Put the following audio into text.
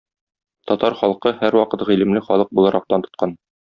Татар халкы һәрвакыт гыйлемле халык буларак дан тоткан.